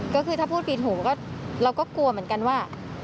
ก็คือถ้าพูดปีนหูก็เราก็กลัวเหมือนกันว่า